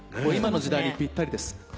今の時代にぴったりです。